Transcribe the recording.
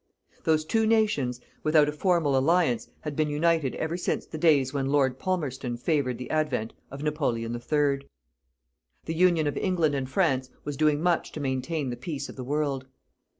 Those two nations, without a formal alliance, had been united ever since the days when Lord Palmerston favoured the advent of Napoleon III. The Union of England and France was doing much to maintain the peace of the world.